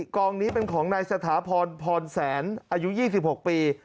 กองนี้เป็นของนายสถาพรพรแสนอายุ๒๖ปี